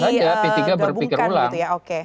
jadi bisa saja p tiga berpikir ulang